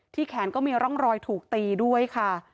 แขนก็มีร่องรอยถูกตีด้วยค่ะ